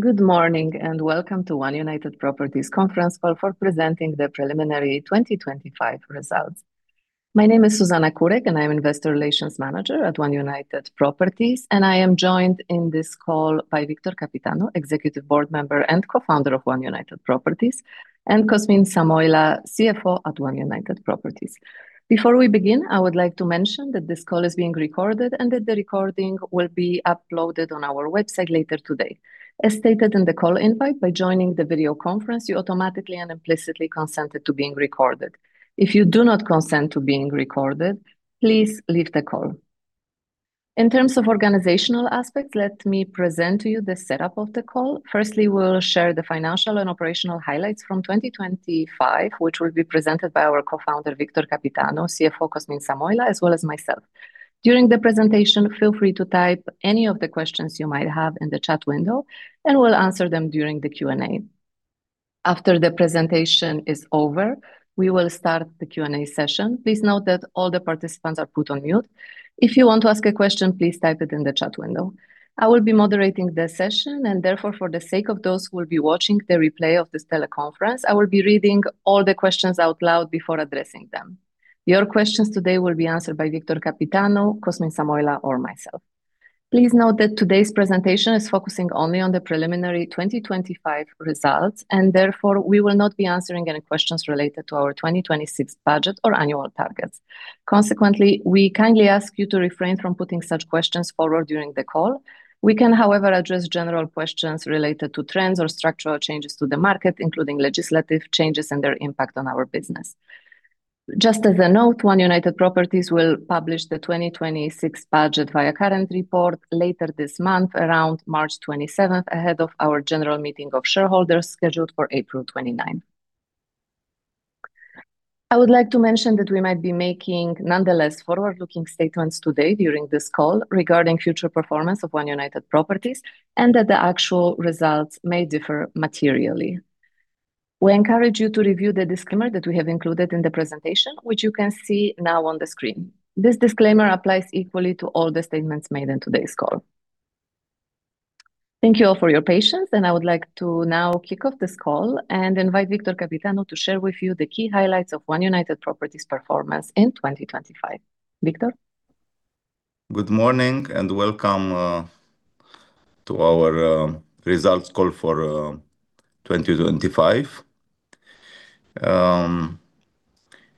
Good morning, and welcome to One United Properties conference call for presenting the preliminary 2025 results. My name is Zuzanna Kurek, and I'm Investor Relations Manager at One United Properties, and I am joined in this call by Victor Căpitanu, Executive Board Member and Co-founder of One United Properties, and Cosmin-Petru Sămoilă, CFO at One United Properties. Before we begin, I would like to mention that this call is being recorded and that the recording will be uploaded on our website later today. As stated in the call invite, by joining the video conference, you automatically and implicitly consent it to being recorded. If you do not consent to being recorded, please leave the call. In terms of organizational aspects, let me present to you the setup of the call. Firstly, we'll share the financial and operational highlights from 2025, which will be presented by our co-founder, Victor Căpitanu, CFO Cosmin-Petru Sămoilă, as well as myself. During the presentation, feel free to type any of the questions you might have in the chat window, and we'll answer them during the Q&A. After the presentation is over, we will start the Q&A session. Please note that all the participants are put on mute. If you want to ask a question, please type it in the chat window. I will be moderating the session, and therefore, for the sake of those who will be watching the replay of this teleconference, I will be reading all the questions out loud before addressing them. Your questions today will be answered by Victor Căpitanu, Cosmin-Petru Sămoilă or myself. Please note that today's presentation is focusing only on the preliminary 2025 results, and therefore, we will not be answering any questions related to our 2026 budget or annual targets. Consequently, we kindly ask you to refrain from putting such questions forward during the call. We can, however, address general questions related to trends or structural changes to the market, including legislative changes and their impact on our business. Just as a note, One United Properties will publish the 2026 budget via current report later this month, around March 27th, ahead of our general meeting of shareholders scheduled for April 29th. I would like to mention that we might be making nonetheless forward-looking statements today during this call regarding future performance of One United Properties, and that the actual results may differ materially. We encourage you to review the disclaimer that we have included in the presentation, which you can see now on the screen. This disclaimer applies equally to all the statements made in today's call. Thank you all for your patience, and I would like to now kick off this call and invite Victor Căpitanu to share with you the key highlights of One United Properties performance in 2025. Victor. Good morning and welcome to our results call for 2025.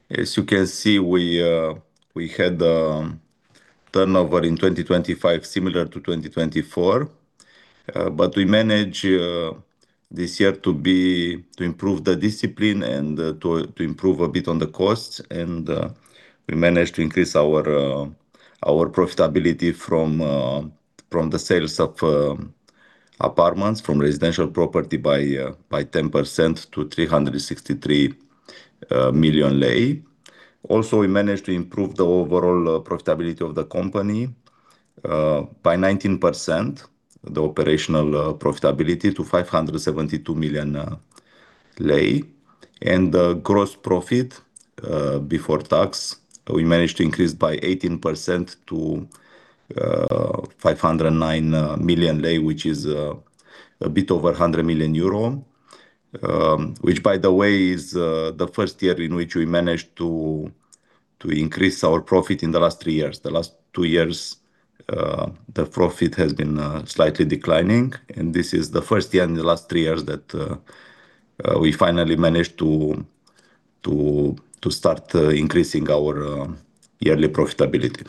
As you can see, we had turnover in 2025 similar to 2024. We managed this year to improve the discipline and to improve a bit on the costs and we managed to increase our profitability from the sales of apartments from residential property by 10% to RON 363 million. Also, we managed to improve the overall profitability of the company by 19%, the operational profitability to RON 572 million. The gross profit before tax, we managed to increase by 18% to RON 509 million, which is a bit over 100 million euro. Which by the way is the first year in which we managed to increase our profit in the last three years. The last two years, the profit has been slightly declining, this is the first year in the last three years that we finally managed to start increasing our yearly profitability.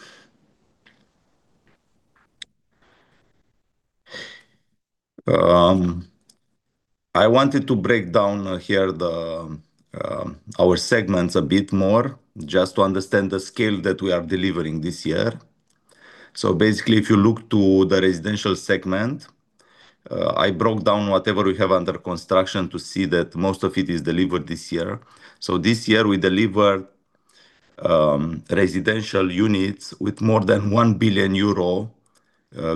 I wanted to break down here the our segments a bit more just to understand the scale that we are delivering this year. Basically, if you look to the residential segment, I broke down whatever we have under construction to see that most of it is delivered this year. This year we delivered residential units with more than 1 billion euro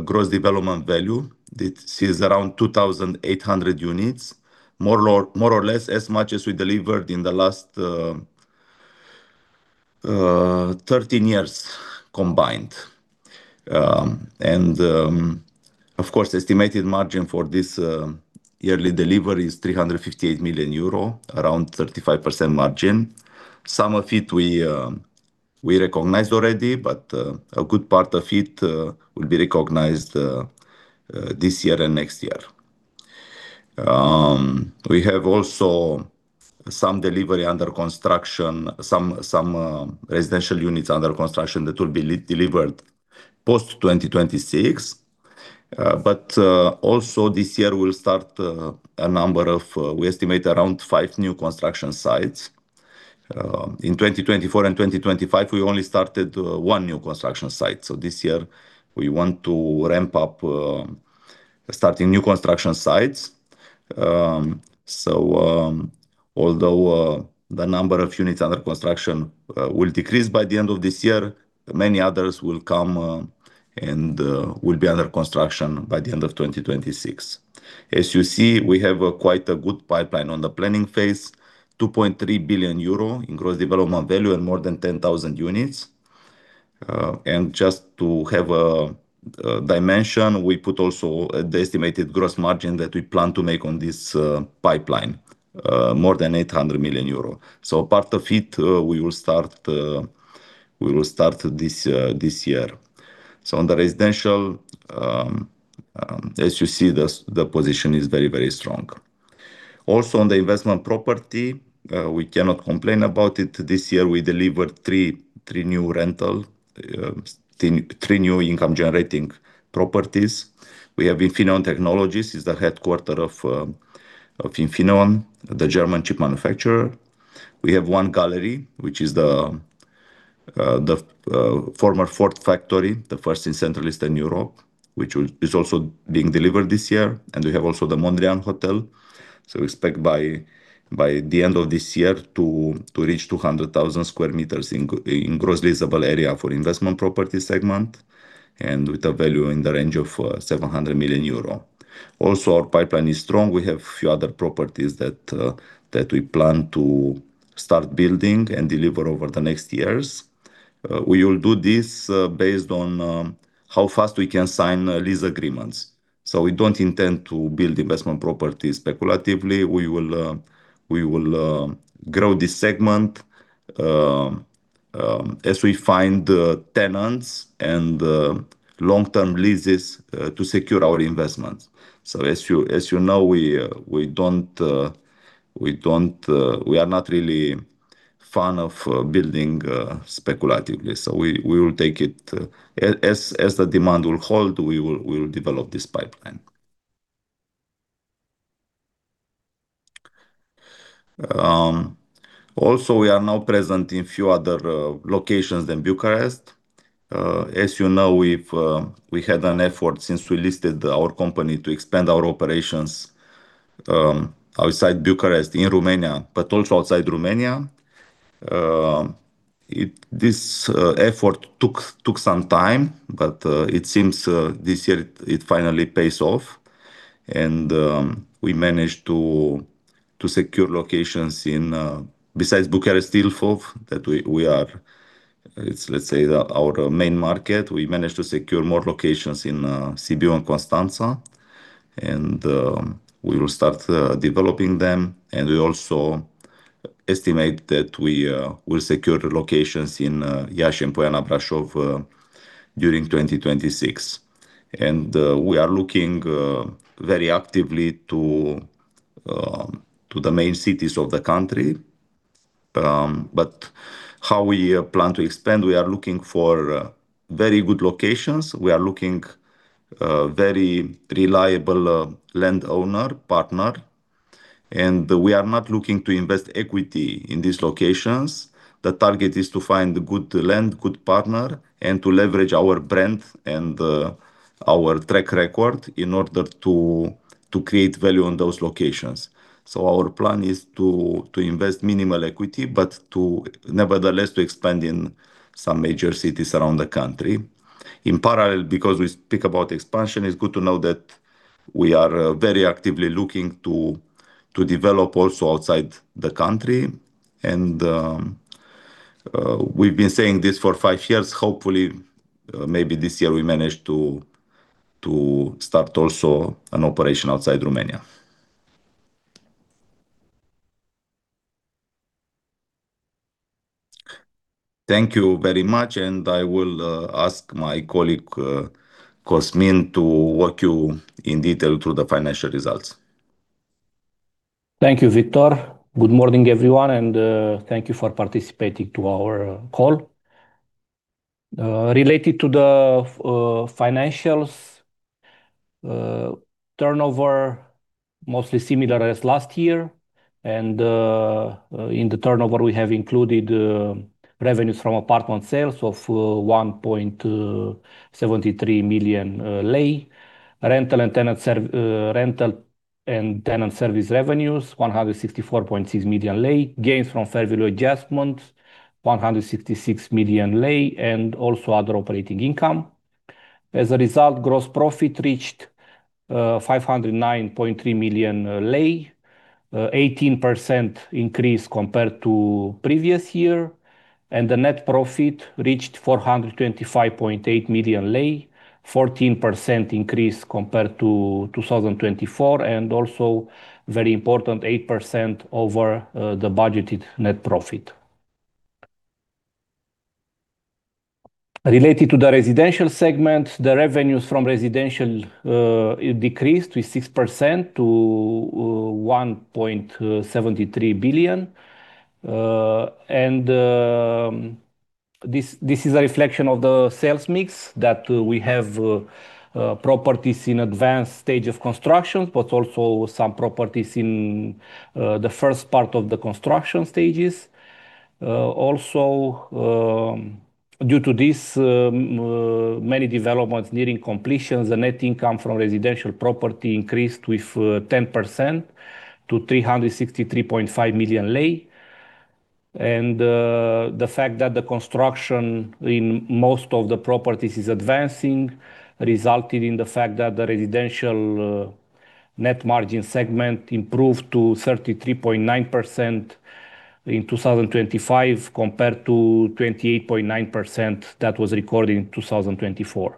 Gross Development Value. That sees around 2,800 units, more or less as much as we delivered in the last 13 years combined. Of course, estimated margin for this yearly delivery is 358 million euro, around 35% margin. Some of it we recognized already, a good part of it will be recognized this year and next year. We have also some delivery under construction, some residential units under construction that will be de-delivered post 2026. Also this year we'll start a number of, we estimate around five new construction sites. In 2024 and 2025, we only started one new construction site. This year we want to ramp up starting new construction sites. Although the number of units under construction will decrease by the end of this year, many others will come and will be under construction by the end of 2026. As you see, we have quite a good pipeline on the planning phase, 2.3 billion euro in Gross Development Value and more than 10,000 units. And just to have dimension, we put also the estimated gross margin that we plan to make on this pipeline, more than 800 million euro. Part of it, we will start this year. On the residential, as you see, the position is very, very strong. Also, on the investment property, we cannot complain about it. This year we delivered three new income generating properties. We have Infineon Technologies is the headquarter of Infineon, the German chip manufacturer. We have One Gallery, which is the former Ford factory, the first in Eastern Europe, is also being delivered this year. We have also the Mondrian Hotel, so we expect by the end of this year to reach 200,000 square meters in Gross Leasable Area for investment property segment and with a value in the range of 700 million euro. Also, our pipeline is strong. We have few other properties that we plan to start building and deliver over the next years. We will do this based on how fast we can sign lease agreements, so we don't intend to build investment properties speculatively. We will grow this segment as we find tenants and long-term leases to secure our investments. As you know, we don't we are not really fond of building speculatively. We will take it as the demand will hold, we will develop this pipeline. Also we are now present in few other locations than Bucharest. As you know, we've we had an effort since we listed our company to expand our operations outside Bucharest in Romania, but also outside Romania. This effort took some time, it seems this year it finally pays off. We managed to secure locations in besides Bucharest, Ilfov that we are, it's, let's say, our main market. We managed to secure more locations in Sibiu and Constanța. We will start developing them. We also estimate that we will secure locations in Iași and Ploiești and Brașov during 2026. We are looking very actively to the main cities of the country. How we plan to expand, we are looking for very good locations. We are looking very reliable landowner partner. We are not looking to invest equity in these locations. The target is to find good land, good partner, and to leverage our brand and our track record in order to create value on those locations. Our plan is to invest minimal equity, but nevertheless to expand in some major cities around the country. In parallel, because we speak about expansion, it's good to know that we are very actively looking to develop also outside the country. We've been saying this for five years. Hopefully, maybe this year we manage to start also an operation outside Romania. Thank you very much. I will ask my colleague Cosmin to walk you in detail through the financial results. Thank you, Victor. Good morning, everyone, thank you for participating to our call. Related to the financials, turnover mostly similar as last year. In the turnover we have included revenues from apartment sales of RON 1.73 million. Rental and tenant service revenues RON 164.6 million. Gains from fair value adjustments RON 166 million and also other operating income. Gross profit reached RON 509.3 million, 18% increase compared to previous year, and the net profit reached RON 425.8 million, 14% increase compared to 2024, and also very important, 8% over the budgeted net profit. Related to the residential segment, the revenues from residential decreased with 6% to RON 1.73 billion. This is a reflection of the sales mix that we have properties in advanced stage of construction, but also some properties in the first part of the construction stages. Also, due to this, many developments nearing completion, the net income from residential property increased with 10% to RON 363.5 million. The fact that the construction in most of the properties is advancing resulted in the fact that the residential net margin segment improved to 33.9% in 2025 compared to 28.9% that was recorded in 2024.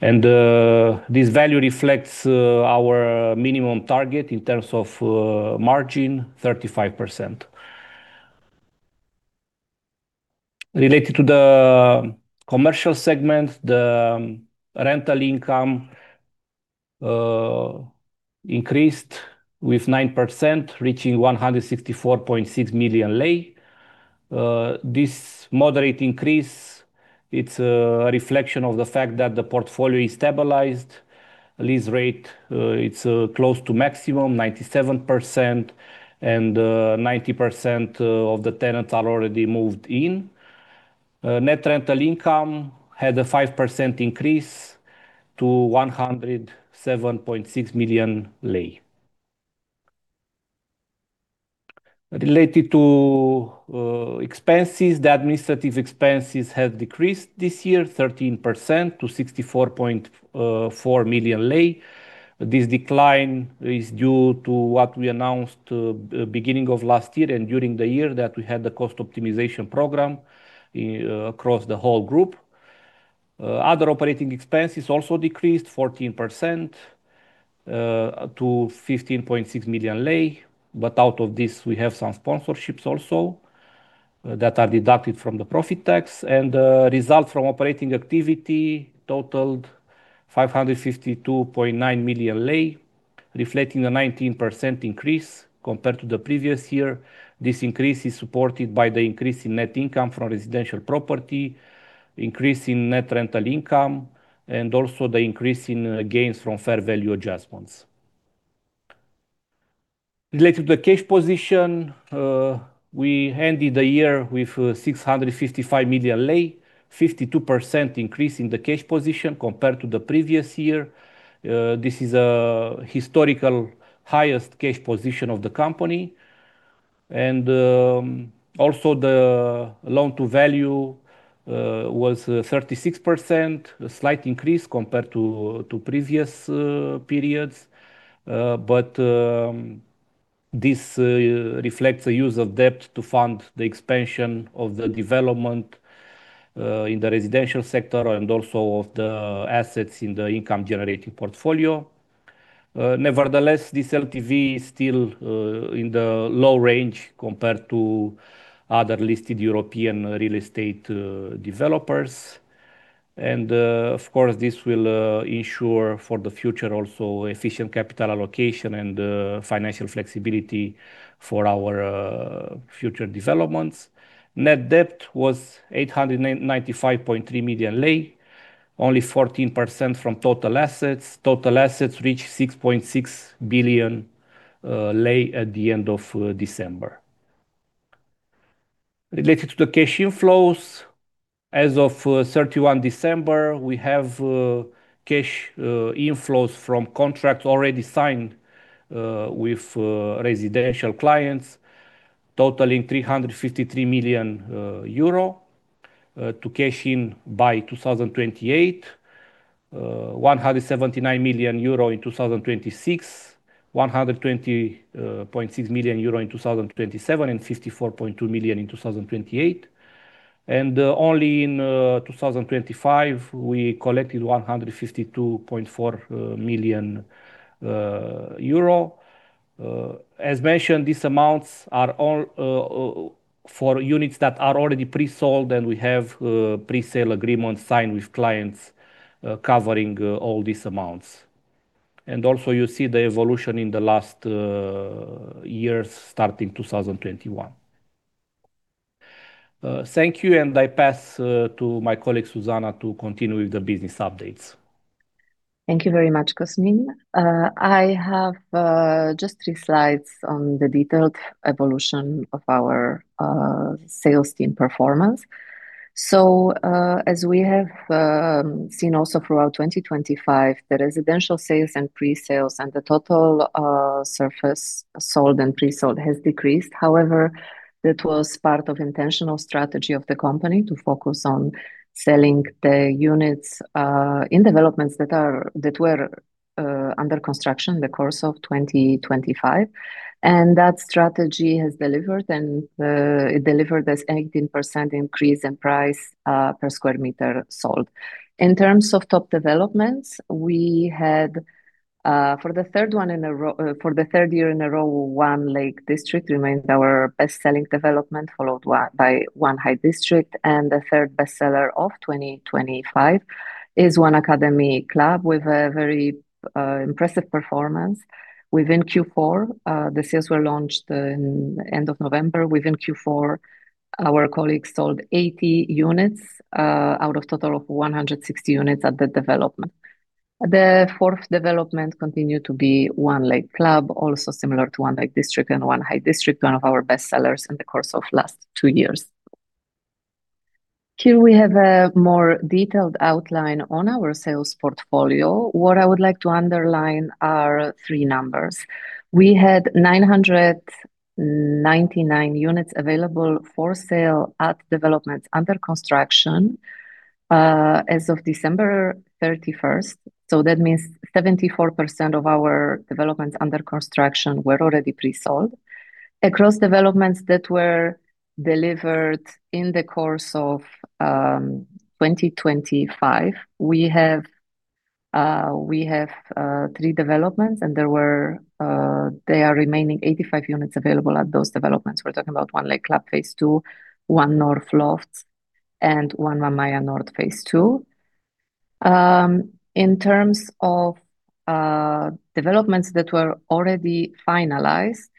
This value reflects our minimum target in terms of margin, 35%. Related to the commercial segment, the rental income increased with 9%, reaching RON 164.6 million. This moderate increase, it's a reflection of the fact that the portfolio is stabilized. Lease rate, it's close to maximum, 97%, and 90% of the tenants are already moved in. Net rental income had a 5% increase to RON 107.6 million. Related to expenses, the administrative expenses have decreased this year 13% to RON 64.4 million. This decline is due to what we announced beginning of last year and during the year that we had the cost optimization program across the whole group. Other operating expenses also decreased 14% to RON 15.6 million. Out of this, we have some sponsorships also that are deducted from the profit tax. The results from operating activity totaled RON 552.9 million, reflecting a 19% increase compared to the previous year. This increase is supported by the increase in net income from residential property, increase in net rental income, and also the increase in gains from fair value adjustments. Related to the cash position, we ended the year with RON 655 million, a 52% increase in the cash position compared to the previous year. This is a historical highest cash position of the company. Also the Loan-to-value was 36%, a slight increase compared to previous periods. This reflects the use of debt to fund the expansion of the development in the residential sector and also of the assets in the income generating portfolio. Nevertheless, this LTV is still in the low range compared to other listed European real estate developers. Of course, this will ensure for the future also efficient capital allocation and financial flexibility for our future developments. Net debt was RON 895.3 million, only 14% from total assets. Total assets reached RON 6.6 billion at the end of December. Related to the cash inflows, as of December 31, we have cash inflows from contracts already signed with residential clients totaling 353 million euro to cash in by 2028. 179 million euro in 2026, 120.6 million euro in 2027, and 54.2 million euro in 2028. Only in 2025, we collected 152.4 million euro. As mentioned, these amounts are all for units that are already pre-sold, and we have pre-sale agreements signed with clients covering all these amounts. Also you see the evolution in the last years starting 2021. Thank you, and I pass to my colleague, Zuzanna, to continue with the business updates. Thank you very much, Cosmin. I have just three slides on the detailed evolution of our sales team performance. As we have seen also throughout 2025, the residential sales and pre-sales and the total surface sold and pre-sold has decreased. However, that was part of intentional strategy of the company to focus on selling the units in developments that were under construction in the course of 2025. That strategy has delivered, and it delivered as 18% increase in price per square meter sold. In terms of top developments, we had for the third one in a row, for the third year in a row, One Lake District remains our best-selling development, followed by One High District, and the third bestseller of 2025 is One Academy Club with a very impressive performance. Within Q4, the sales were launched in end of November. Within Q4, our colleagues sold 80 units out of total of 160 units at that development. The fourth development continued to be One Lake Club, also similar to One Lake District and One High District, one of our best sellers in the course of last two years. Here we have a more detailed outline on our sales portfolio. What I would like to underline are three numbers. We had 999 units available for sale at developments under construction. As of December 31st, that means 74% of our developments under construction were already pre-sold. Across developments that were delivered in the course of 2025, we have three developments, there are remaining 85 units available at those developments. We're talking about One Lake Club phase two, One North Lofts, and One Mamaia Nord phase two. In terms of developments that were already finalized,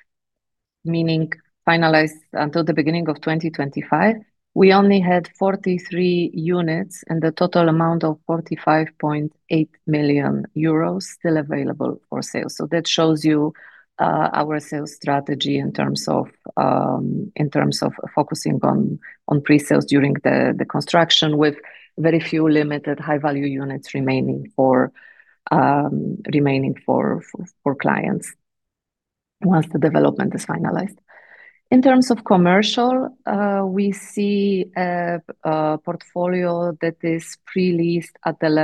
meaning finalized until the beginning of 2025, we only had 43 units and the total amount of 45.8 million euros still available for sale. That shows you our sales strategy in terms of focusing on pre-sales during the construction with very few limited high-value units remaining for clients once the development is finalized. In terms of commercial, we see a portfolio that is leased and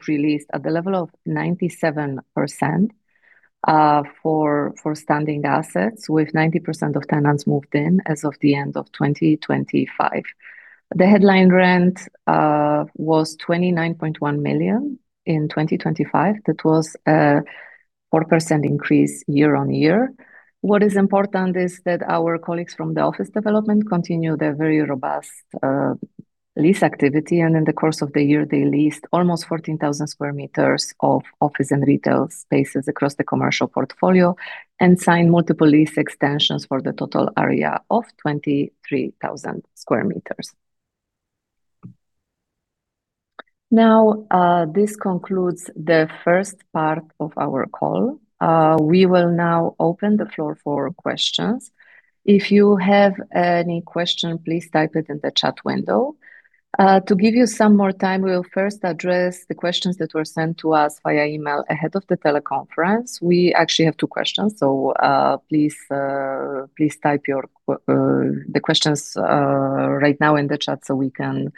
pre-leased at the level of 97% for standing assets with 90% of tenants moved in as of the end of 2025. The headline rent was RON 29.1 million in 2025. That was a 4% increase year-on-year. What is important is that our colleagues from the office development continue their very robust lease activity, and in the course of the year, they leased almost 14,000 sq m of office and retail spaces across the commercial portfolio and signed multiple lease extensions for the total area of 23,000 sq m. Now, this concludes the first part of our call. We will now open the floor for questions. If you have any question, please type it in the chat window. To give you some more time, we will first address the questions that were sent to us via email ahead of the teleconference. We actually have two questions. Please, please type your questions right now in the chat so we can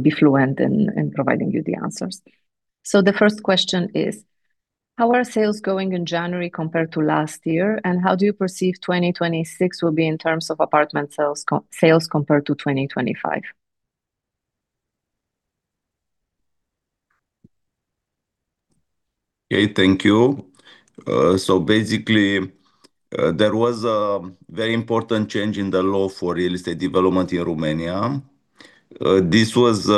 be fluent in providing you the answers. The first question is: How are sales going in January compared to last year, and how do you perceive 2026 will be in terms of apartment sales compared to 2025? Okay. Thank you. Basically, there was a very important change in the law for real estate development in Romania. This was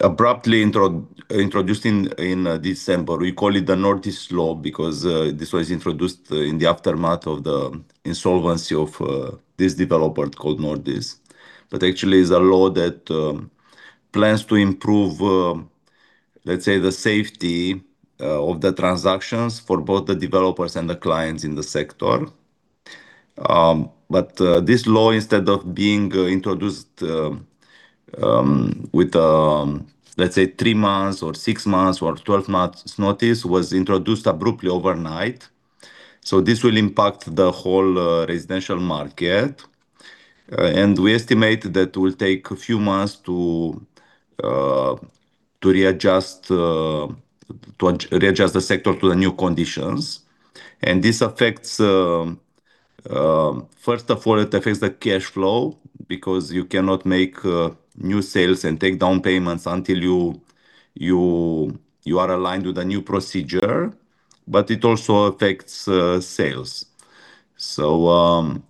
abruptly introduced in December. We call it the Nordis Law because this was introduced in the aftermath of the insolvency of this developer called Nordis. Actually is a law that plans to improve, let's say, the safety of the transactions for both the developers and the clients in the sector. This law, instead of being introduced with, let's say, three months or six months or 12 months notice, was introduced abruptly overnight. This will impact the whole residential market. And we estimate that it will take a few months to readjust the sector to the new conditions. This affects, first of all, it affects the cash flow because you cannot make new sales and take down payments until you are aligned with the new procedure. It also affects sales.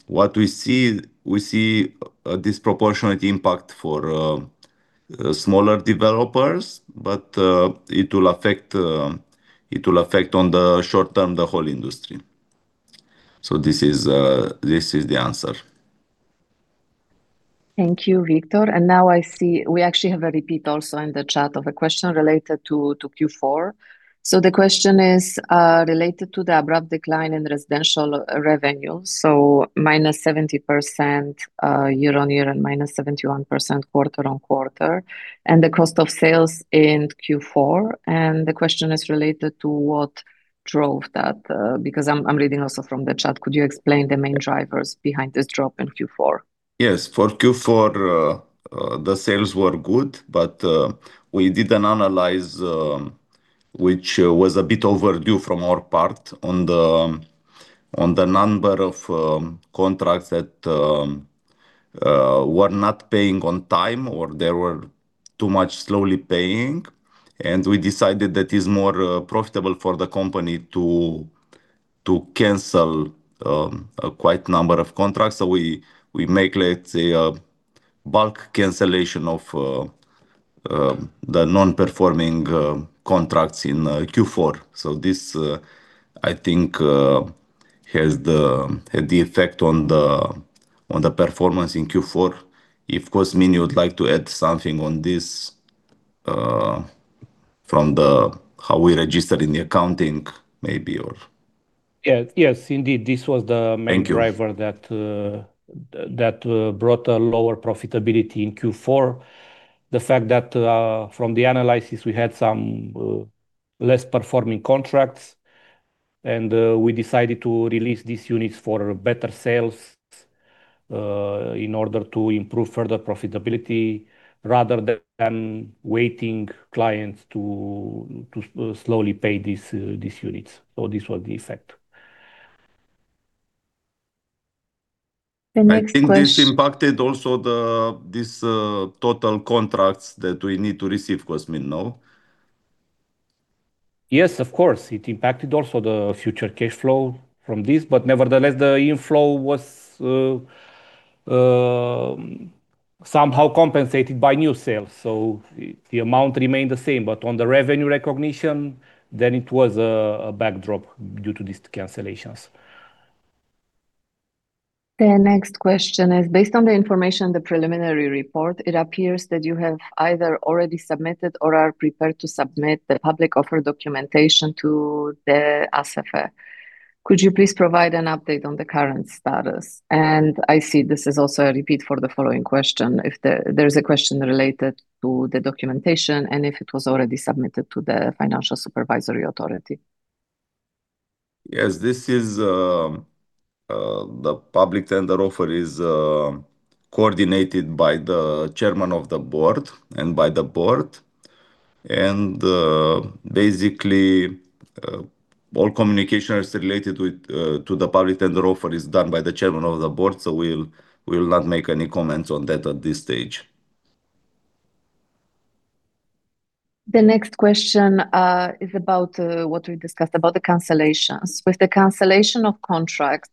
What we see, we see a disproportionate impact for smaller developers, but it will affect on the short term, the whole industry. This is the answer. Thank you, Victor. Now I see we actually have a repeat also in the chat of a question related to Q4. The question is related to the abrupt decline in residential revenue, -70% year-on-year and -71% quarter-on-quarter, and the cost of sales in Q4. The question is related to what drove that? Because I'm reading also from the chat. Could you explain the main drivers behind this drop in Q4? Yes. For Q4, the sales were good, but we did an analyze, which was a bit overdue from our part on the number of contracts that were not paying on time or they were too much slowly paying. We decided that it's more profitable for the company to cancel a quite number of contracts. We, we make, let's say, a bulk cancellation of the non-performing contracts in Q4. This, I think, had the effect on the performance in Q4. If, Cosmin, you would like to add something on this, from the how we registered in the accounting maybe or... Yeah. Yes, indeed. Thank you. Main driver that brought a lower profitability in Q4. The fact that from the analysis, we had some less performing contracts. We decided to release these units for better sales in order to improve further profitability rather than waiting clients to slowly pay these units. This was the effect. The next question. I think this impacted also this total contracts that we need to receive, Cosmin, no? Of course, it impacted also the future cash flow from this. Nevertheless, the inflow was somehow compensated by new sales. The amount remained the same, but on the revenue recognition, then it was a backdrop due to these cancellations. The next question is, based on the information in the preliminary report, it appears that you have either already submitted or are prepared to submit the public offer documentation to the ASF. Could you please provide an update on the current status? I see this is also a repeat for the following question. If there is a question related to the documentation, and if it was already submitted to the Financial Supervisory Authority. Yes, this is, the public tender offer is coordinated by the chairman of the board and by the board. Basically, all communication is related with, to the public tender offer is done by the chairman of the board, so we'll not make any comments on that at this stage. The next question is about what we discussed about the cancellations. With the cancellation of contracts,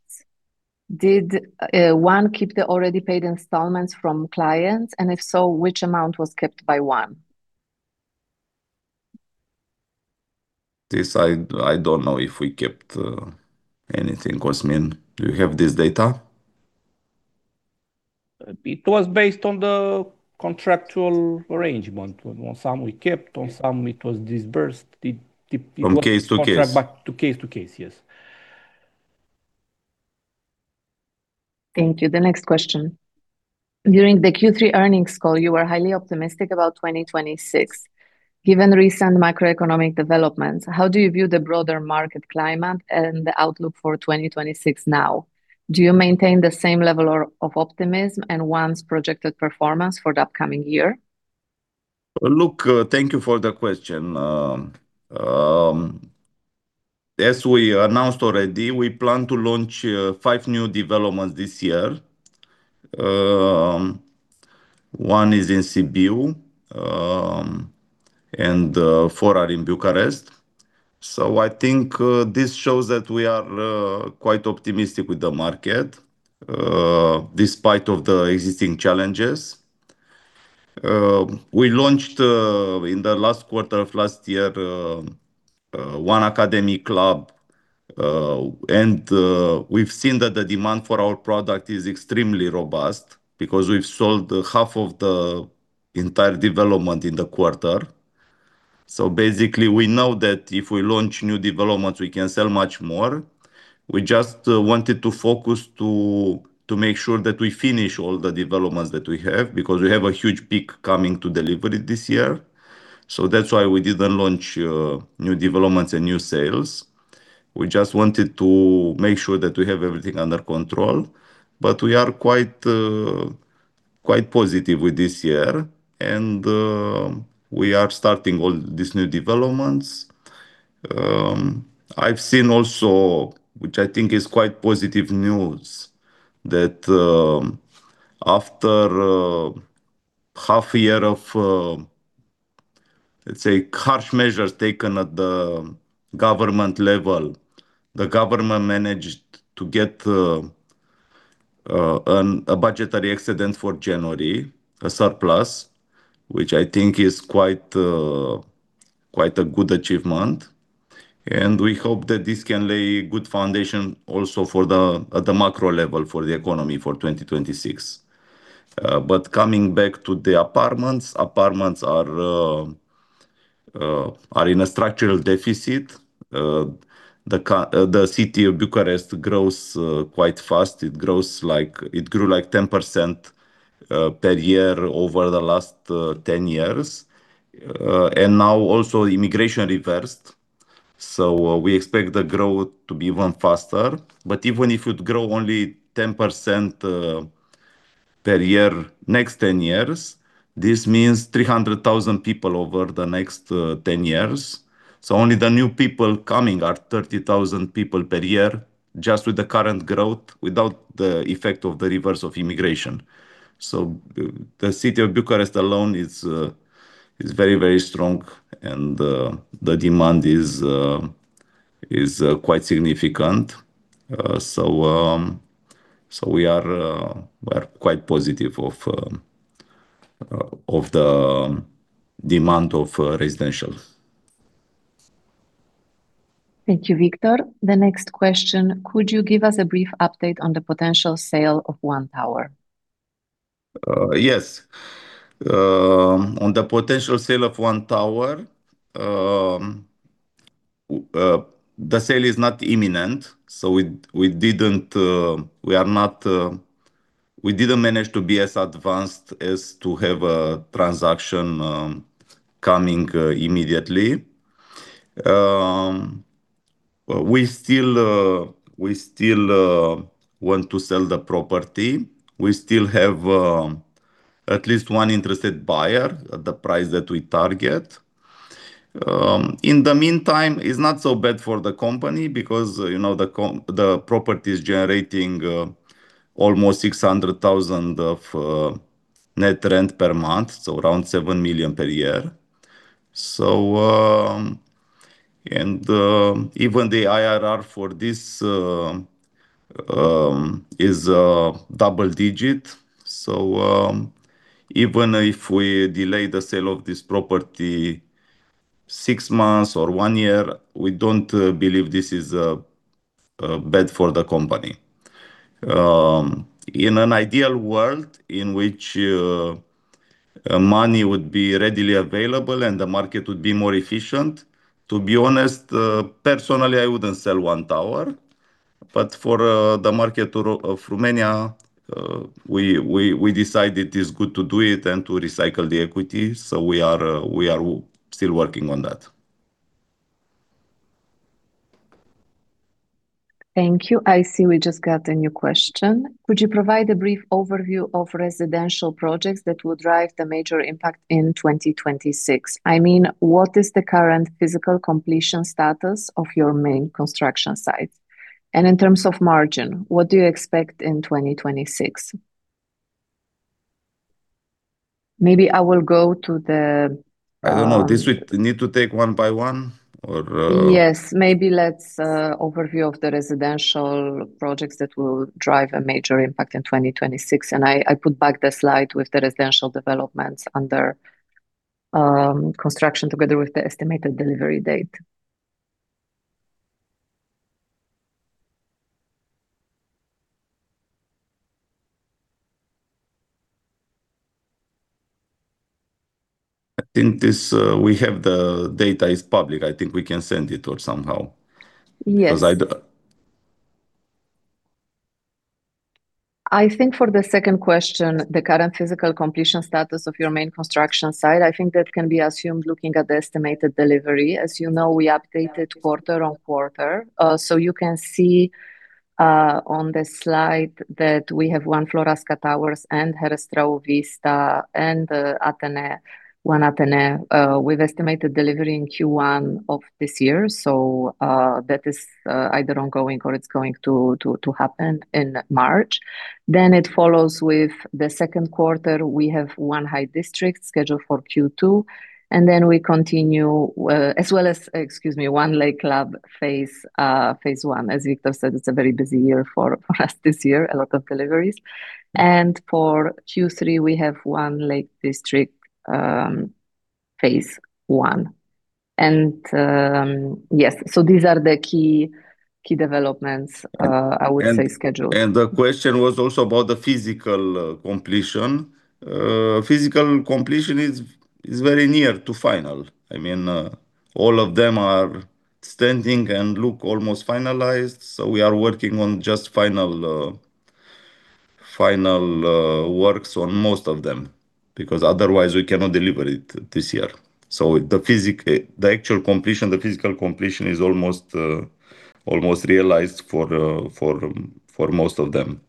did ONE keep the already paid installments from clients? If so, which amount was kept by ONE? This I don't know if we kept, anything. Cosmin, do you have this data? It was based on the contractual arrangement. On some we kept, on some it was disbursed. It. From case to case. Contract to case to case. Yes. Thank you. The next question. During the Q3 earnings call, you were highly optimistic about 2026. Given recent macroeconomic developments, how do you view the broader market climate and the outlook for 2026 now? Do you maintain the same level of optimism and ONE's projected performance for the upcoming year? Look, thank you for the question. As we announced already, we plan to launch five new developments this year. One is in Sibiu, and four are in Bucharest. I think this shows that we are quite optimistic with the market despite of the existing challenges. We launched in the last quarter of last year One Academy Club. We've seen that the demand for our product is extremely robust because we've sold half of the entire development in the quarter. Basically, we know that if we launch new developments, we can sell much more. We just wanted to focus to make sure that we finish all the developments that we have, because we have a huge peak coming to delivery this year. That's why we didn't launch new developments and new sales. We just wanted to make sure that we have everything under control. We are quite positive with this year. We are starting all these new developments. I've seen also, which I think is quite positive news, that after half a year of, let's say, harsh measures taken at the government level, the government managed to get an a budgetary accident for January, a surplus, which I think is quite a good achievement. We hope that this can lay good foundation also for the, at the macro level for the economy for 2026. Coming back to the apartments are in a structural deficit. The city of Bucharest grows quite fast. It grows like... It grew like 10% per year over the last 10 years. Now also immigration reversed. We expect the growth to be even faster. Even if it grow only 10% per year next 10 years, this means 300,000 people over the next 10 years. Only the new people coming are 30,000 people per year, just with the current growth, without the effect of the reverse of immigration. The city of Bucharest alone is very, very strong and the demand is quite significant. We are quite positive of the demand of residentials. Thank you, Victor. The next question, could you give us a brief update on the potential sale of One Tower? Yes. On the potential sale of ONE Tower, the sale is not imminent, we didn't manage to be as advanced as to have a transaction coming immediately. We still want to sell the property. We still have at least one interested buyer at the price that we target. In the meantime, it's not so bad for the company because, you know, the property is generating almost RON 600,000 of net rent per month, around RON 7 million per year. Even the IRR for this is double digit. Even if we delay the sale of this property six months or one year, we don't believe this is bad for the company. In an ideal world in which money would be readily available and the market would be more efficient, to be honest, personally, I wouldn't sell One Tower. For the market of Romania, we decide it is good to do it and to recycle the equity, we are still working on that. Thank you. I see we just got a new question. Could you provide a brief overview of residential projects that will drive the major impact in 2026? I mean, what is the current physical completion status of your main construction sites? In terms of margin, what do you expect in 2026? Maybe I will go to the. I don't know. This we need to take one by one or. Yes. Maybe let's overview of the residential projects that will drive a major impact in 2026. I put back the slide with the residential developments under construction together with the estimated delivery date. I think this, we have the data is public. I think we can send it or somehow. Yes. Cause I. I think for the second question, the current physical completion status of your main construction site, I think that can be assumed looking at the estimated delivery. As you know, we updated quarter-on-quarter. You can see, on the slide that we have One Floreasca Towers and One Herăstrău Vista and One Athénée, with estimated delivery in Q1 of this year. That is, either ongoing or it's going to happen in March. It follows with the second quarter, we have One High District scheduled for Q2, and we continue, as well as, excuse me, One Lake Club Phase 1. As Victor said, it's a very busy year for us this year, a lot of deliveries. For Q3, we have One Lake District Phase 1. Yes, these are the key developments I would say scheduled. The question was also about the physical completion. Physical completion is very near to final. I mean, all of them are standing and look almost finalized, so we are working on just final works on most of them, because otherwise we cannot deliver it this year. The actual completion, the physical completion is almost realized for most of them.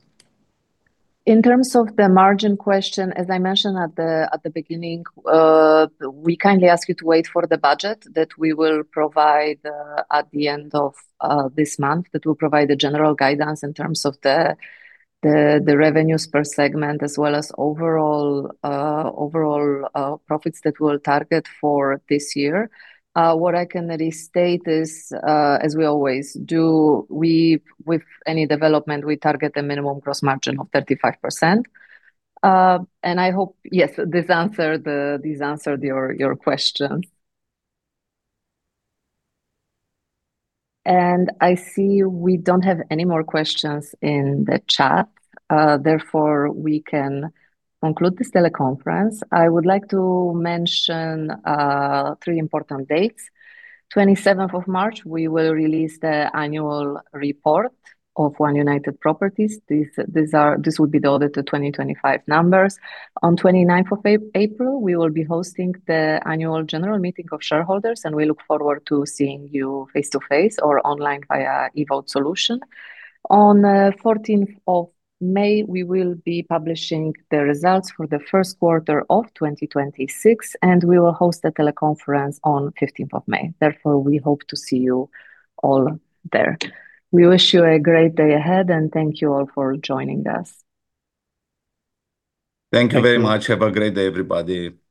In terms of the margin question, as I mentioned at the beginning, we kindly ask you to wait for the budget that we will provide at the end of this month. That will provide the general guidance in terms of the revenues per segment as well as overall profits that we'll target for this year. What I can restate is as we always do, with any development, we target a minimum gross margin of 35%. I hope, yes, this answered your question. I see we don't have any more questions in the chat, therefore, we can conclude this teleconference. I would like to mention three important dates. 27th of March, we will release the annual report of One United Properties. This will be the audited 2025 numbers. On 29th of April, we will be hosting the annual general meeting of shareholders, and we look forward to seeing you face-to-face or online via e-vote solution. On 14th of May, we will be publishing the results for the first quarter of 2026, and we will host a teleconference on 15th of May. Therefore, we hope to see you all there. We wish you a great day ahead, and thank you all for joining us. Thank you very much. Have a great day, everybody. Thank you.